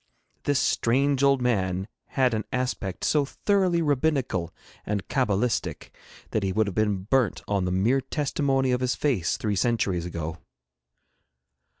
This strange old man had an aspect so thoroughly rabbinical and cabalistic that he would have been burnt on the mere testimony of his face three centuries ago.